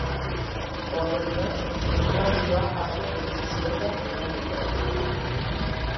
Ondorioz, puntuazioa asko jeitsi zioten epaimahaikoek.